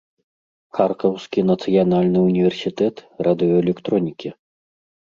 Харкаўскі нацыянальны ўніверсітэт радыёэлектронікі.